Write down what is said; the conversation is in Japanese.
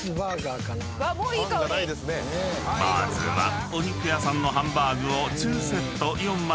［まずはお肉屋さんのハンバーグを２セット４枚焼き上げて］